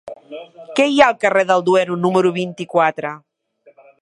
Què hi ha al carrer del Duero número vint-i-quatre?